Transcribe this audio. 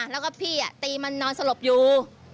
แล้วก็พี่ตีมันนอนสลบอยู่